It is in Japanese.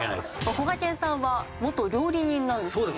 こがけんさんは元料理人なんですよね？